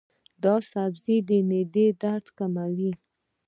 دا سبزی د معدې درد کموي.